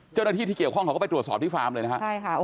เจ้าหน้าที่ที่เกี่ยวข้องเขาก็ไปตรวจสอบที่ฟาร์มเลยนะครับใช่ค่ะ